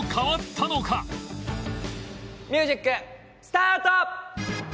ミュージックスタート！